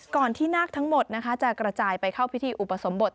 ที่นาคทั้งหมดจะกระจายไปเข้าพิธีอุปสมบท